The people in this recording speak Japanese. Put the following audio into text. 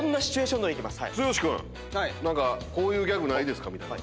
剛君何かこういうギャグないですかみたいな。